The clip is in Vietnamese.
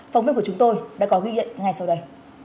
phóng viên của chúng tôi đã có ghi nhận ngay sau đây